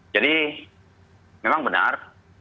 jadi memang benar